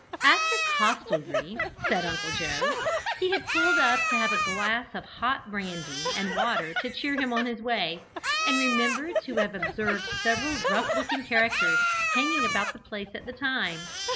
At this hostelry, said Uncle Joe, he had pulled up to have a glass of hot brandy and water to cheer him on his way, and remembered to have observed several rough looking characters hanging about the place at the time.